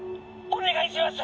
お願いします！